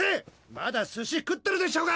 まだ寿司食ってるでしょが！